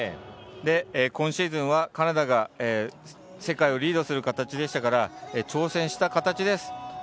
今シーズンはカナダが世界をリードする形で下から挑戦した形です。